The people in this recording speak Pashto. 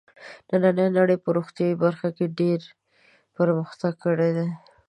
نننۍ نړۍ په روغتیايي برخه کې ډېر پرمختګ کړی دی.